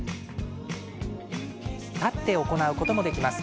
立って行うこともできます。